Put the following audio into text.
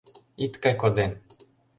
Ит кай коден